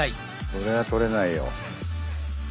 これは取れないよ。